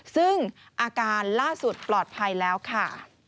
ซึ่งอาการล่าสุดปลอดภัยแล้วค่ะ